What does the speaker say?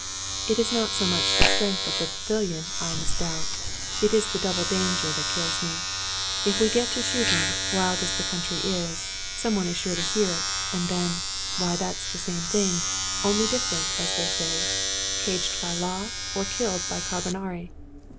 It is not so much the strength of the pavilion I mis doubt; it is the double danger that kills me. If we get to shooting, wild as the country is, some one is sure to hear it, and then — ^why then it's the same thing, only different, as 189 Scotch Mystery Stories they say : caged by law, or killed by carbonari.